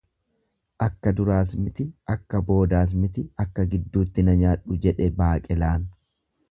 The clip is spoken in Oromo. Akka duraas miti akka boodaas miti akka gidduutti na nyaadhu jedhe baaqelaan.